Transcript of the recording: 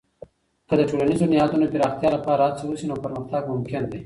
که د ټولنیزو نهادونو د پراختیا لپاره هڅه وسي، نو پرمختګ ممکن دی.